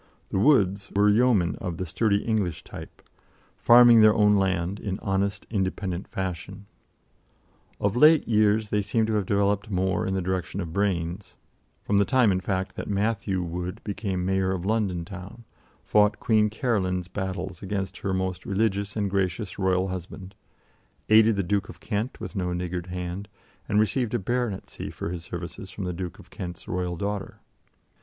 The Woods were yeomen of the sturdy English type, farming their own land in honest, independent fashion. Of late years they seem to have developed more in the direction of brains, from the time, in fact, that Matthew Wood became Mayor of London town, fought Queen Caroline's battles against her most religious and gracious royal husband, aided the Duke of Kent with no niggard hand, and received a baronetcy for his services from the Duke of Kent's royal daughter.